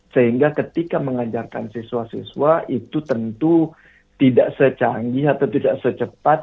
sehingga ketika mengajarkan siswa siswa itu tentu tidak secanggih atau tidak secepat